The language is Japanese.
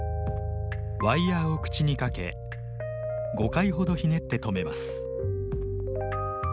ワイヤーを口に掛け５回ほどひねって留めます。